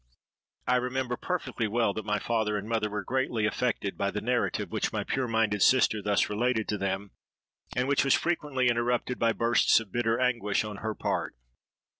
"I remember perfectly well that my father and mother were greatly affected by the narrative which my pure minded sister thus related to them, and which was frequently interrupted by bursts of bitter anguish on her part.